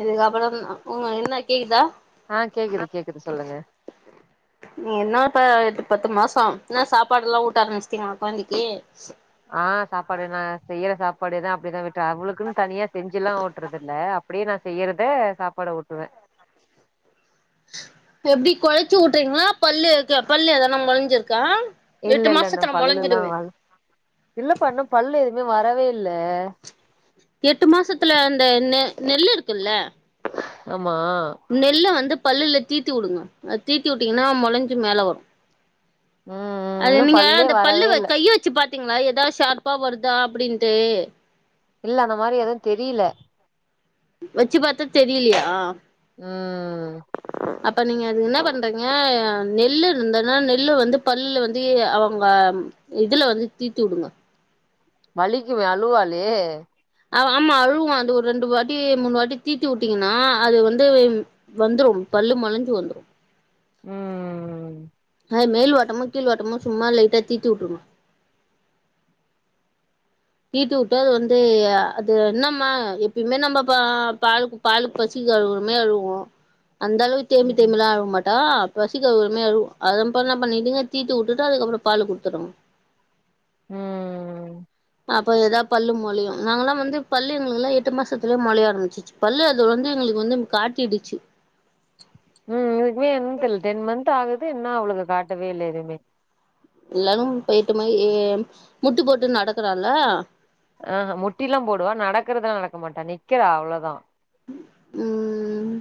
இதுக்கு அப்புறம் உங்க என்ன கேக்குதா ஆ கேக்குது கேக்குது சொல்லுங்க நீ என்ன இப்ப எட்டு பத்து மாசோம் என்னா சாப்பாடுல்லாம் ஊட்ட ஆரம்பிச்சிட்டிங்களா கொழந்தைக்கு ஆ சாப்பாடுதான் நான் செய்யற சாப்பாடுதான் அப்டிதான் ஊட் றன் அவளுக்குன்னு தனியா செஞ்சுல்லாம் ஊட்டுறது இல்ல அப்டியே நான் செய்யறத சாப்பாடா ஊட்டுவேன் எப்டி கொழச்சு ஊட்டுறீங்களா பல்லு பல்லு ஏதநா மொளஞ்சிருக்க இல்ல எட்டு இல்ல இன்னு மாசத்துல பல்லுல்லா மொளஞ்சிடுமே வள இல்லப்பா இன்னும் பல்லு எதுவும் வரவே இல்ல எட்டு மாசத்துல அந்த ந நெல்லு இருக்குல்ல ஆமா நெல்ல வந்து பல்லுல தீத்தி விடுங்க அது தீத்தி விட்டீங்கன்னா மொளஞ்சு மேல வரும் ம் ம் அது இன்னு நீங்க பல்லே அந்த வரவே பல்லுவ இல்ல கைய வெச்சு பாத் பாத்தீங்களா ஏதா ஷார்பா வருதா அப்டின்ட்டு இல்ல அந்த மாரி எதும் தெரில வெச்சு பாத்து தெரிலியா ம் அப்ப நீங்க அது என்ன பண்றீங்க நெல்லு இருந்ததுன்னா நெல்லு வந்து பல்லு வந்து அவுங்க இதுல வந்து தீ்த்தி வுடுங்க வலிக்குமே அழுவாலே ஆமா அழுவான் அது ஒரு ரெண்டு வாட்டி மூணு வாட்டி தீத்தி உட்டீங்கன்னா அது வந்து வந்துரும் பல்லு மோலஞ்சு வந்துரும் ம் மேல் வாட்டமும் கீழ் வாட்டமும் சும்மா லைட்டா தீத்தி வுட்றனும் தீட்டு வுட்டு அது வந்து அது என்னம்மா எப்பயுமே நம்ம பால் பால் பால் பசிக்கு அழுவுர மாரிஅழுவும் அந்த அளவுக்கு தேமி ம் தேமிலாம் அழுக மாட்டா பசிக்கு அழுவற மேரி அழுவும் அத அப்போ என்ன பண்ணிடுதுங்க தீத்து உட்டுட்டு அதுக்கப்புறம் பால குடுத்துருவோ ம் அப்ப எதா பல்லு மொளையும் நாங்கலா வந்து பல்லு எங்களுக்குலா எட்டு மாசத்துலே மொளைய ஆரம்பிச்சிச்சி பல்லு அது வந்து எங்களுக்கு வந்து காட்டிடுச்சி இன்மே என்னான்னு தெர்ல டென் மன்ந்த் ஆகுது இன்னு அவளுக்கு காட்டவே இல்ல எதுவுமே எல்லாரும் போயிட்ட மாரி முட்டி போட்டு நடக்கராளா ஆ முட்டிலாம் போடுவா நடக்கறதுதல்லா நடக்க மாட்டா நிக்கறா அவ்ளோதா ம்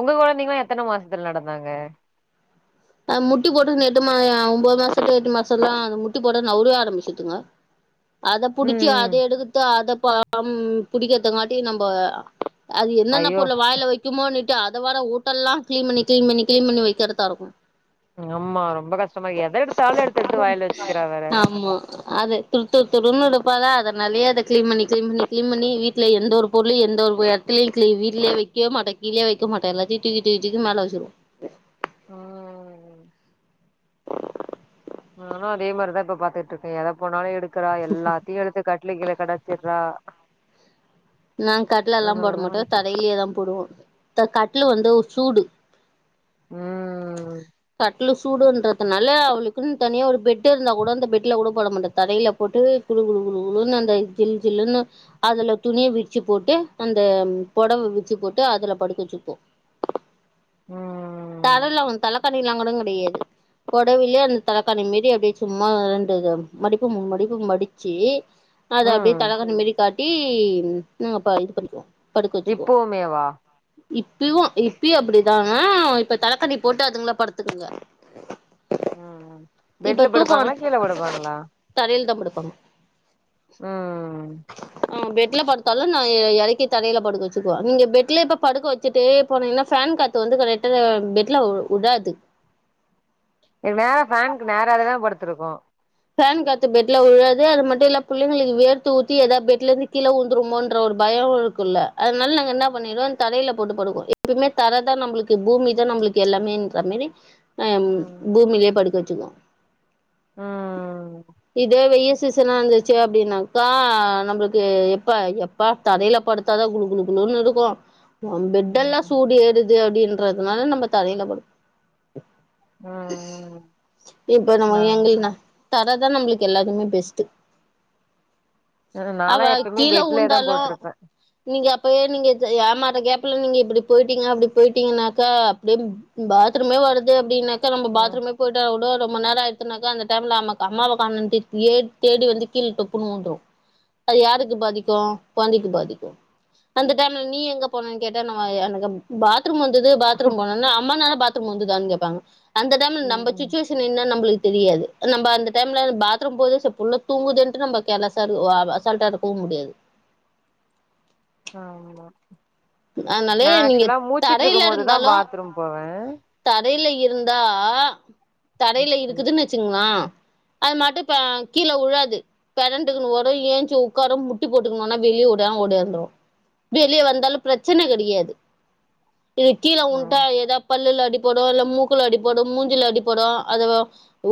ஒங்க கொழந்தைங்களா எத்தன மாசத்துல நடந்தாங்க அது முட்டி போட்டுனு எட்டு மா ஒம்போது மாசத்துல எட்டு மாசல்லா அது முட்டி போட நவுரவே ஆரம்பிச்சிருதுங்க அத ம் புடிச்சி ம் அத எடுத்து அத ப ம் புடிக்கிறதங்காட்டியு நம்ப அது என்னென்ன ஐயோ பொருள வாயில வக்குமோன்னுட்டு அத வேற ஊட்டெல்லாம் கிளீன் பண்ணி கிளீன் பண்ணி கிளீன் பண்ணி வக்கிறதா இருக்கும் ஆமா ரொம்ப கஷ்டமா இருக்கு எத எடுத்தாலும் எடுத்தெடுத்து வாய்ல வச்சிக்கிறா வேற ஆமா அது துரு துரு துருன்னு இருப்பால அதனாலயே அத கிளீன் பண்ணி கிளீன் பண்ணி கிளீன் பண்ணி வீட்ல எந்த ஒரு பொருளு எந்த ஒரு எடத் துரு கிளின் வீட்லயே வைக்கவே மாட்டா கீழ வைக்க மாட்ட எல்லாத்தையு தூக்கி தூக்கி தூக்கி மேல வச்சிருவ ஆ நானும் அதே மாரி தா இப்ப பாத்துட்டுருக்கேன் எத போனாலும் எடுக்கறா எல்லாத்தையும் எடு த்து கட்டுல கீழ கெடாசிறா நான் கட்ல எல்லாம் போட அதா மாட்டோம் பண்ணிட்டு தரையிலயே தா போடுவோம் இந்த கட்லு வந்து ஒரு சூடு ம் கட் லு சூடுன்றதுனால அவளுக்குன் தனியா ஒரு பெட்டு இருந்தா கூட அந்த பெட்ல கூட போட மாட்ட தரையில போட்டு குலு குலு குலு குலுனு அந்த ஜில் ஜில்லுன்னு அதுல துணிய வி ரிச்சி போட்டு அந்த பொடவ விருச்சி போட்டு அதுல படுக்க வச்சிப்போம் ம் தரல வந் தலக்காணிலா கூட கெடையாது பொடவிலே அந்த தலக்கானி மேரி அப்டே சும்மா ரண்டு மடிப்பு மூணு மடிப்பு மடிச்சி அத அப்டே ம் தலகானி மேரி காட்டி நாங்க பா இது பண்ணிக்குவோ படுக்க வச்சிக்குவோ இப்பவுமேவா இப்பயும் இப்பயு அப்டிதாங்க இப்ப தலக்காணி போட்டு அதுங்களே படுத்துக்குங்க ம் இப்ப பெட்ல தூக்கம் படுப்பாங்களா கீழ படுப்பாங்களா தரையில தா படுப்பாங்க ம் அவுங்க பெட்ல படுத் தாலும் நா எ எறக்கி தரையில படுக்க வச்சிக்குவ நீங்க பெட்ல இப்ப படுக்க வச்சிட்டே போனீங்கன்ன ஃபேன் காத் து வந்து கரெக்ட்டா பெட்ல உடாது மேல ஃபேனுக்கு நேரா தான படுத்திருக்கோம் ஃபேன் காத்து பெட்ல உழாது அது மட்டு இல்ல பிள்ளைங்களுக்கு வேர்த்து ஊத்தி எதா பெட்ல இருந்து கீழ உழுந்துருமோன்ற ஒரு பயம் இருக்குல்ல அதனால நாங்க என்ன பண்ணிடுவ தரையில போட்டு படுக்குவோ எப்பயுமே தர தா நம்பளுக்கு பூமி தா நம்பளுக்கு எல்லாமேன்ற மேரி ஆ ம் பூமிலே படுக்க வச்சிக்குவோம் ம் இதே வெயில் சீசனா இருந்துச்சி அப்டின்னாக்கா நம்பளுக்கு எப்ப ப்பா தரையில படுத்தாதா குளு குளு குளுன்னு இருக்கும் பெட்டெல்லா ம் சூடு ஏறுது அப்டின்றதுனால நம்ப தரையில படு ம் ம் இப்ப நம்ம நா எங்கள்னா தர தா நம்பளுக்கு எல்லாத்துக்குமே பெஸ்ட்டு நாலா அவ எப்பயுமே கீழ பெட்லயே தா உழுந்தாலும் போட்ருப்பே நீங்க அப்பே நீங்க ஏமாற கேப்பல நீங்க இப்டி போய்டிட்டீங்க அப்டி போயிட்டீங்கன்னாக்கா அப்டிய பாத்ரூமே வருது அப்டின்னாக்கா நம்ம ம் பாத்ரூமே அவ்ளோ ரொம்ப நேரோ ஆயிடுசுனாக்கா அந்த டைம்ல ஆம்மக் அம்மாவக் காண்ணோண்ட்டு ஏ தேடி வந்து கீழ டேப்புன்னு விழுந்துரும் அது யாருக்கு பாதிக்கும் குழந்தைக்கு பாதிக்கும் அந்த டைம்ல நீ எங்க போன்னன்னு கேட்டா நம்ம எனக்கு எப் பாத்ரூம் வந்தது பாத்ரூம் போனனா அம்மனேரோ பாத்ரூம் வந்துதானு கேப்பாங்க அந்த டைம்ல ம் நம்ம ம் சுச்சுவே ஷன் என்னா நம்மளுக்கு தெரியாது நம்ம அந்த டைம்ல பாத்ரூம் போகுது செரி புள்ள தூங்குதுன்டு நம்ம கேர்லேஸ்ஸா ஓ ஆ அசால்ட்டா இருக்கவு முடியாது ஆமா அதனாலே நா நீங்க ஆக்சுவலா முழுச்சுட்டு தரையில இருக்கும் போதுதா இருந்தாலு பாத்ரூம் போவேன் தரையில இருந்தா தரையில ம் இருக்குதுன்னு வச்சுங்களா அது மட்டும் இப்ப கீழ உழாது பிரண்டுகிட்டு வரும் எந்திரிச்சு உட்காரும் முட்டி போட்டுக்கணும்னா வெளிய ஓடியா ஓடியாந்துடும் வெளிய வந்தாலு பிரச்சன கெடையாது இது கீழ உண்டா ம் ஏதா பல்லுல அடி படு இல்ல மூக்குள்ள அடி படு மூஞ்சல அடி படு அது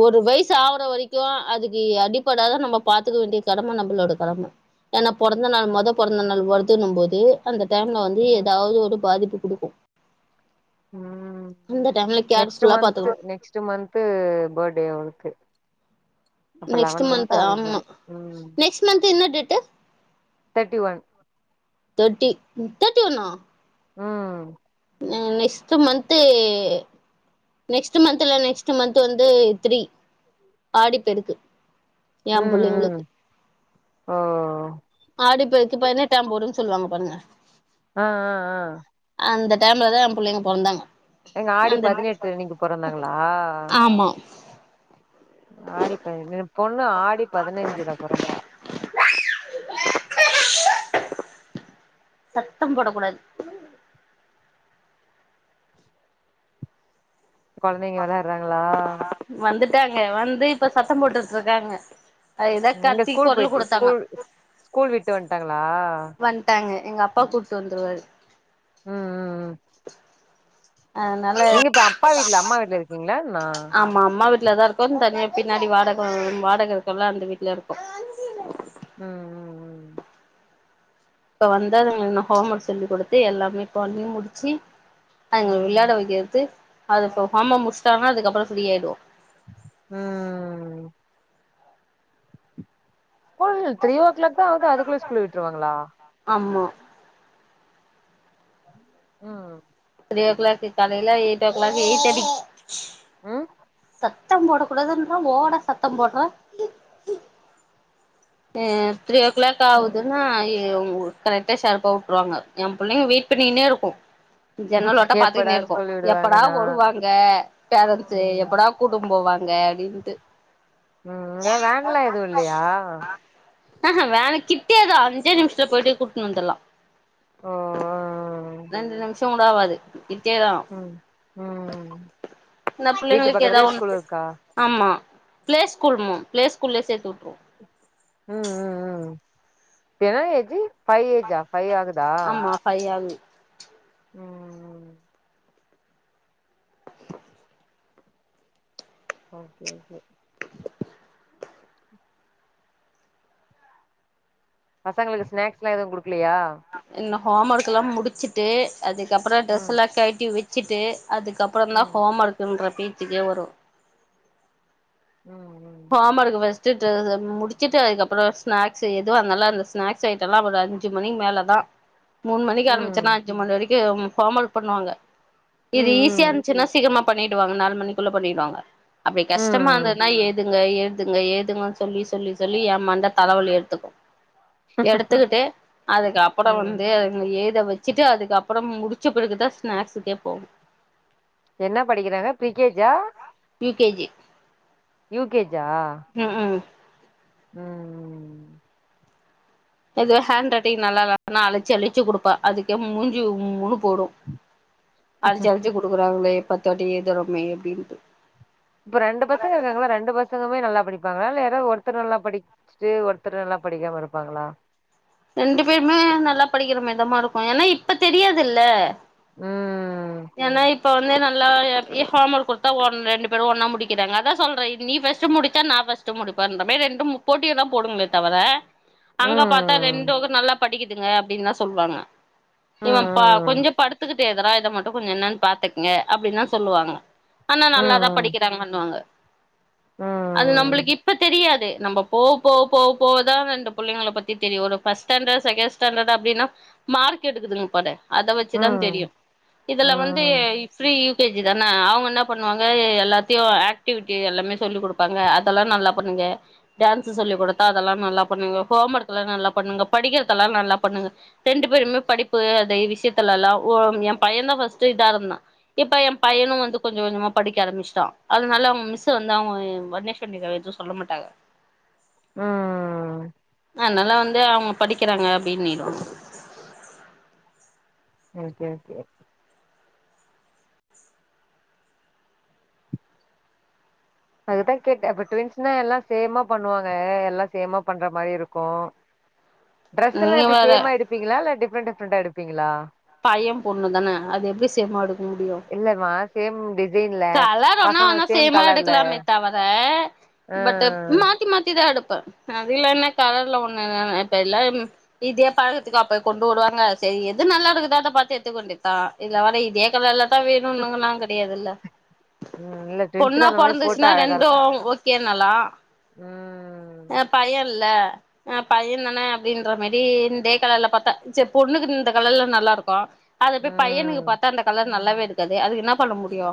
ஒரு வயசு ஆகுற வரைக்கும் அதுக்கு அடிப்படாதான் நம்ம பாத்துக்க வேண்டிய கடமை நம்மளோட கடமை ஏன்னா பொறந்த நாள் மொத பொறந்த நாள் வருதுன்னும் போது அந்த டைம்ல வந்து ம் ஏதாவது ஒரு பாதிப்பு குடுக்கும் ம் அந்த டைம்ல நெக்ஸ்ட் கேர்ஃபுல்லா மந்த்து பாத்துக்கணு நெக்ஸ்ட் மந்த்து பிரத்டே அவனுக்கு இப்ப லெவன் மந்த்து ஆக போது ம் நெஸ்ட் மந்த் என்ன date thirty one thirty thirty ஒன்னா ம் ம் நெஸ்ட் மந்த்து நெக்ஸ்ட் மந்த் இல்ல நெக்ஸ்ட் மந்த்து வந்து த்ரீ ஆடி பெருக்கு ஏ ம் புள்ளைங்களுக்கு ம் ஓ ஆடிப்பெருக்கு பதினெட்டாம் போடுன்னு சொல்லுவாங்க பாருங்க ஆ ஆ ஆ அந்த டைம்லதா ஏ புள்ளைங்க பொறந்தாங்க எங்க ஆடி அந்த பதினெட்டு அன்னிக்கு பொறந்தாங்ளா ஆமா ஆடி பதி ஏழு பொண்ணு ஆடி பதினஞ்சுல பொறந்தா சத்தம் போடக் கூடாது கொழந்தைங்க வெளாட்றாங்களா வந்துட்டாங்க வந்து இப்ப சத்தம் போட்டுட்டு இருக்காங்க அது ஏதா எங்க கத்தி ஸ்கூல் குரல் போயிட்டு குடுத்தாங்க ஸ்கூல் ஸ்கூல் விட்டு வந்ட்டாங்களா ட்டாங்க எங்க அப்பா கூட்டு வந்துருவாரு ம் ம் ம் அதனால எங்க இப்ப அப்பா வீட்ல அம்மா வீட்ல இருக்கீங்ளான்னா ஆமா அம்மா வீட் டுல தான் இருக்கோ தனியா பின்னாடி வாடக வாடக இருக்குல்ல அந்த வீட்டுல இருக்கோ ம் இப்ப வந்துங் என்ன ஹோம் ஒர்க் சொல்லிக் கொடுத்து எல்லாமே பண்ணி முடிச்சு ம் அதுங்க விளையாட ம் வைக்கறது அது இப்போ ஹோம் ஒர்க் முடிச்சாங்கா அதுக்கப்பறோ ஃப்ரீயாயிடுவோ ம் ஸ்கூல் த்ரீ ஓ கிளாக் தா ஆகுது அதுக்குள்ள ஸ்கூல் விட்ருவாங்களா ஆமா ஆ த்ரீ ஓ க்ளாக்கு காலைல எய்ட் ஓ க்ளாக்கு எய்ட் தட்டிக் ம் சத்தம் போடக் கூடாதுன்றே ஓடா சத்தம் போட்ற ஆ த்ரியோ க்ளாக் ஆவ்துன்னா ஏ மோ ங்கூர் கரெக்ட்டா ஷார்ப்பா வுட்ருவாங்க யம் பிள்ளைங்க வெய்ட் பண்ணீன்னே இருக்கு ஜன்னலோட்டடா எப்படா பாத்துக்னே ஸ்கூல் ருக்கு எப்படா விடுவாங்கன்னா வருவாங்க பேரன்ஸு ம் எப்படா கூட்டும் போவாங்க அப்டின் ட்டு உஉ ஏ வேன்லா எது இல்லயா ஆஹா வேனு கிட்யேதா அஞ்சே நிம்ஷ்ல போய்ட்டு கூட்னு வந்துர்லா ஓ ஆ ரெண்டு நிம்ஷோ வுட ஆவாது கிட்டேதா ம் ம் இந வீட்டு பிள்ளைங்களுக் ஏதா பக்கத்துலயே ஸ்கூல் ஒண்ணுத்து இருக்கா ஆமா ப்ளே ஸ்கூல் மு ப்ளே ஸ்கூல்லே சேத் வுட்ரு ம் ம் ம் எனா ஏஜ்ஜி ஃபை ஏஜ்ஜா ஃபை ஆகுதா ஆமா ஃபை ஆகு ம் ஓகே ஓகே பசங்களுக்கு ஸ்னாக்ஸ்லா எது குடுக்குலையா இன்னு ஹோமர்க்குல்லா முடிச்சிட்டு அதுக்கப்பறா ட்ரெஸ் ம் எல்லா கழட்டி விச்சுட்டு அதுக்கப் ப்பறந்தா ம் ஹோமர்க்குன்ற பீச்சுக்கே வரு ம் ம் ஹாமர்க்‌கு ஃபஸ் த்துட்டு தம் முடிச்சிட்டு அதுக்கப்பறோ ஸ்நாக்ஸு எதோ அன்னால அந்த ஸ்நாக்ஸ் ஐட்டல்லா ஒர் அஞ்சி மணிங் மேல தா மூண் மணிக்கு ம் ஆரம்பிச்சேன்னா ம் அஞ்சு மணி வரைக்கி உம் ஃபாமல் பண்ணுவாங்க இது ஈஸியா ம் இருந்ச்சின்னா சீக்கிர்மா பண்ணிடுவாங்க நாலு மணிக்குள்ள பண்ணிடுவாங்க அப்டி ம் கஷ்டமா ம் இந்ததுனா ஏத் இங்க எழ்துங்க ஏதுங்க சொல்லி சொல்லி சொல்லி ய மண்ட தலவலி எடுத்துக்கு எடத்துக்குட்டு அதுக்கப்பறோ ம் வந்து அதுங்கு ஏத வை ச்சிட்டு அதுக்கப்பறம் முடிச்சு பிறகு தா ஸ்நாக்ஸ்க்கே போம் என்ன படிக்கிறாங்க ப்ரிகேஜா யூ கேஜி யூகேஜா ம் ஹு ம் எதா ஹேண்ட் ரட்டிங் நல்லாஇல்ல னா அலச்சி அலிச்சு குடுப்பா அதுக்கே மூஞ்சி உம்முன்னு போடு அல்ச்சி அல்ச்சி குடுக்குறாங்ளே பத்தொட்டி எதுறுமே அப்டின்ட்டு இப்ப ரெண்டு பசங்க இருக்காங்கள ரெண்டு பஸ் பசங்கமே நல்லா படிப்பாங்க இல்ல யாராவ் ஒருத்தர் நல்லா படிக்ச்சுட்டு ஒருத்தர் நல்லா படிக்காம இருப்பாங்களா ரெண்டு பேருமே நல்லா படிக்கிற மேற் தாமா இருக்கு ஏன்னா இப்பு தெரியாதுல்ல ம் ஏன்னா இப்ப வந்து நல்லா எ ஏ ஹோமர்க் குர்த்தா ஒன் ரெண்டு பேரு ஒன்னா முடிக்கிறாங்க அதா சொல்றே இது நீ ஃபஸ்ட்டு முடி த்தா நா ஃபஸ்ட்டு முடிப்பன்றமே ரெண்டும் போட்டியே தா போடுங்ளே தவர அங்க பாத் ம் உ நல்லா படிக்குதுங்க அப்டின்லா சொல்வாங்க இவ பா ம் கொஞ்சோ படுத்துக்கிட்டே எழுதறா இத மட்டு கொஞ்சோ என்னன் பாத்துக்ங்க அப்டின் தா சொல்லுவாங்க ஆனா நல்லாதா ம் படிக்கிறாங்கன்வாங்க ம் அது ம் நம்பளுக் இப்ப தெரி யாது நம்ப போ போ போ போகதா ரெண்டு புள்ளைங்கள பத் தி தெரியு ஒரு ஃபஸ்ட் ஸ்டாண்டட் செகண்ட் ஸ்டாண்டட் அப்டினா மார்க் எடுக்குதுங்க பாரு அத வெச்சுதா தெரியு ம் இதுல வந்து ம் இ ஃப்ரீ கே ஜி தான அவ்ங்க என்ன பண்வாங்க எல்லாத்தையு ஆக்டிவிட்டி எல்லாமே சொல்லி குடுப்பாங்க அதெல்லா நல்லா பண்ணுங்க டேன்ஸு சொல்லி் குடுத்தா அதெல்லா நல்லா பண்ணுங்க ஹோம் ஒர்க் எல்லா நல்லா பண்ணுங்க படிக்கிறதெல்லா நல்லா பண்ணுங்க ரெண்டு பேருமே படிப்பு அந்த இ விஷ்யத்துலெல்லா ஓ எம்பையந்தா ஃபஸ்ட்டு இதா இருந்தா இப்ப எம்பையனு வந்து கொஞ்ச கொஞ்சமா படிக்க ஆரம்மிஸ்ட்டா அதுனால அவ்ங்க மிஸ்ஸு வந்து அவ்ங்க வர்னேஷ் அவந்திகா எது சொல்ல மாட்டாங்க ம் அ நல்லா வந்து அவ்ங்க படிக்கிறாங்க அப்டினுருவாங்க ஓகே ஓகே அதுக்குதா கேட்டே இப்ப ட்வின்ஸ்னா எல்லா சேமா பண்ணுவாங்க எல்லா சேமா பண்ற மாரி இருக்கு ட்ரஸ் எல்லா நீங்க எப்டி வேற சேமா எடுப்பீங்களா இல்ல டிஃப்ரெண்ட் டிஃப்ரெண்டா எடுப்பீங்களா பைய பொண்ணு தான அது எப்டி சேமா எடுக் முடியு இல்லமா சேம் டிஸ் கலர் ஒன்னா வேணா சேமா எடுக்கலாமே தவர ஆ பட்டு மாத் தி மாத்திதா எடுப்பே அது இல்லனா கலர்ல ஒன்னு வேணா எட்ப்ப எல்லா ம் இதே பழகற்த்துக்கா போய் கொண்டு வருவாங்க செரி எது நல்லா இருக்குதோ அத பாத்து எட்த்துக்க வேண்டியத் தா இதுல வேற இதே கலர்ல இதா வேணுனுங்கல்லா கெடையாதுல்ல ம் இல்ல பொண்ணா ட்வின்ஸ்னா அந்த மாரி போட்டா பொறந்துஸ்னா அழகா ரெண்டு இருக்கு ஓ ஓகேனலா ம் ஆ பைய இல்ல ஆ பையந்தான அப்டின்ற மாரி இந்தே கலர்ல பாத்தா சேர் பொண்ணுக்கு இந்த கலர்ல நல்லாருக்கு அத போய் பையனுக்கு ம் பாத்தா அந்த கலர் நல்லாவே இருக்காது அதுக்கென்னா பண்ண முடியு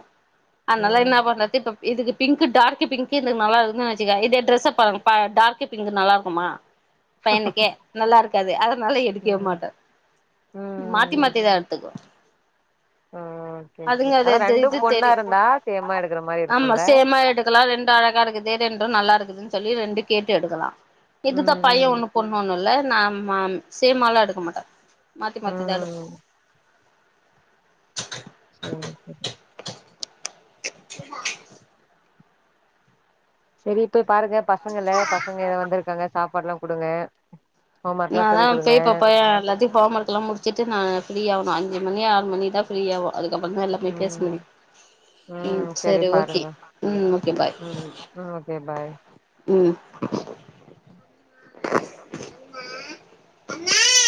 அத்னால என்னா ம் பண்றது இப்ப இதுக்கு பிங்க்கு டார்க்கு பிங்க்கு இதுக் நல்லாருக்குதுன் வெச்சுக்க இதே ட்ரஸ்ஸ பாருங்க பா டார்க்கு பிங்க்கு நல்லார்க்குமா பையனுக்கு நல்லார்க்காது அதனால எடுக்கவே ம் மாட்டே மாத் தி ம் மாத்தி தா எடுத்துக்வோ ஆ ஓகே ஓகே அதா அது ரெண்டு இது பொண்ணா தெரியு இருந்தா சேமா எடுக்கற மாரி இருக்குல்ல கெல்லா ரெண்டு அழகா இருக்குது ரெண்டு நல்லாருக்குதுன் சொல்லி ரெண்டு கேட்டு எடுக்கலா இதுதா ம் பைய ம் ஒன்னு பொண்ணு ஒன்னுல்ல நா மாம் சேமாலா எடுக்க மாட்டே மாத்தி மாத்தி தா எடுப்பே ம் சேரி சேரி [unintelligible] சேரி போய் பாருங்க பசங்க இல்ல பசங்க எதோ வந்திருக்காங்க சாப்பாடுலா குடுங்க ஹோம் ஒர்க்லா நா தா சொல்லி் குடுங்க போய் பப்பயா அல்லது ஹோம் ஒர்க்குலா முடிச்சிட்டு நா ஃப்ரீயாவணு அஞ்சு மணி ஆறு மணி தா ஃப்ரீயாவோ அதுக்கப்பறந்தா எல்லா போய் பேஸ் ம் முடியு ம் சரி செரி ஓகே பாருங்க ம் ஓகே பாய் ம் ம் ஓகே பாய் ம்